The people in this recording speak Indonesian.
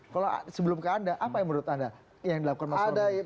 kalau sebelum ke anda apa yang menurut anda yang dilakukan mas hadai